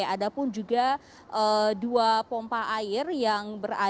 ada pun juga dua pompa air yang berada